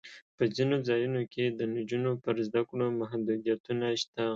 په ځینو ځایونو کې د نجونو پر زده کړو محدودیتونه شته.